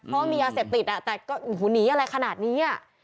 เพราะมียาเสพติดอ่ะแต่ก็หนีอะไรขนาดนี้อ่ะ